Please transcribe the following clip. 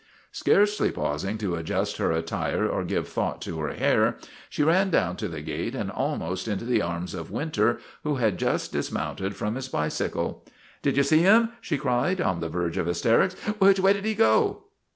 Scarcely pausing to adjust her attire or give thought to her hair, she ran down to the gate and almost into the arms of Winter, who had just dis mounted from his bicycle. " Did you see him ?' she cried, on the verge of hysterics. " Which way did he go?